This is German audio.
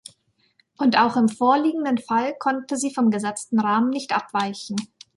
Und auch im vorliegenden Fall konnte sie vom gesetzten Rahmen nicht abweichen.